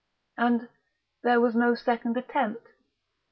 And there was no second attempt.